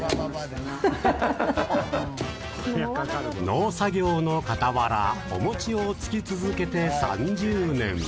農作業の傍らお餅をつき続けて３０年。